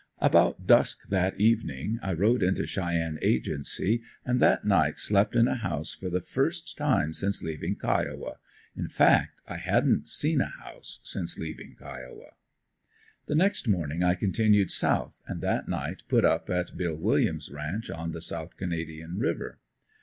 About dusk that evening, I rode into Cheyenne Agency and that night slept in a house for the first time since leaving Kiowa in fact I hadn't seen a house since leaving Kiowa. The next morning I continued south and that night put up at "Bill" Williams' ranch on the "South Canadian" river.